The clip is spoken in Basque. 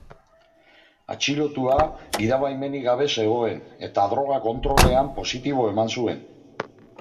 Atxilotua gidabaimenik gabe zegoen eta droga kontrolean positibo eman zuen.